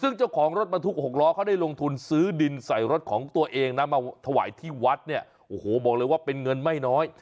ซึ่งเจ้าของรถบรรทุก๖ล้อเขาได้ลงทุนซื้อดินใส่รถของตัวเองนะมาถวายที่วัดเนี่ยโอ้โหบอกเลยว่าเป็นเงินไม่น้อย